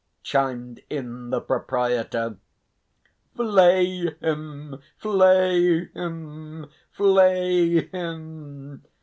chimed in the proprietor. "Flay him! flay him! flay him!"